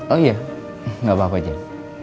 oh iya gak apa apa jen